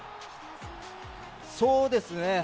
そうですね。